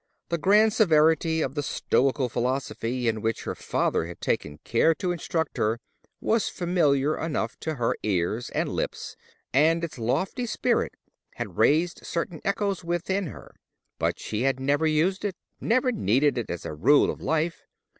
The grand severity of the stoical philosophy in which her father had taken care to instruct her, was familiar enough to her ears and lips, and its lofty spirit had raised certain echoes within her; but she had never used it, never needed it as a rule of life.